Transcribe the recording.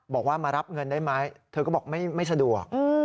บอกว่ามารับเงินได้ไหมเธอก็บอกไม่สะดวก